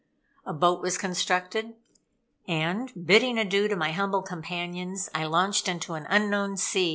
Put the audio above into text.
A boat was constructed, and bidding adieu to my humble companions, I launched into an unknown sea.